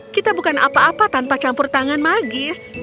kita bukan apa apa tanpa campur tangan magis